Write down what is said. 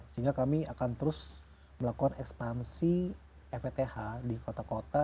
sehingga kami akan terus melakukan ekspansi feth di kota kota